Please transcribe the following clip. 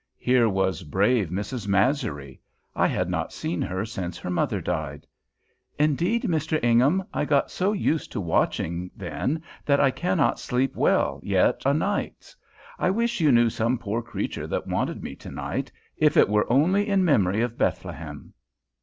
Here was brave Mrs. Masury. I had not seen her since her mother died. "Indeed, Mr. Ingham, I got so used to watching then, that I cannot sleep well yet o' nights; I wish you knew some poor creature that wanted me to night, if it were only in memory of Bethlehem."